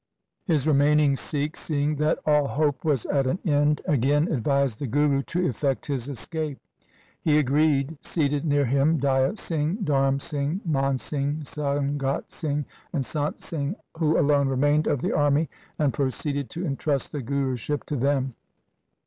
His remaining Sikhs, seeing that all hope was at an end, again advised the Guru to effect his escape. He agreed, seated near him Daya Singh, Dharm Singh, Man Singh, Sangat Singh, and Sant Singh, who alone remained of the army, and proceeded to entrust the Guruship to them.